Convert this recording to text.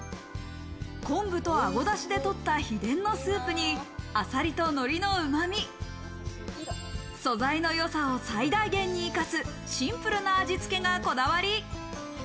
昆布とアゴだしでとった秘伝のスープに、あさりと海苔のうま味、素材のよさを最大限に生かすシンプルな味つけがこだわり。